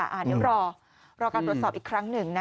เดี๋ยวรอการตรวจสอบอีกครั้งหนึ่งนะ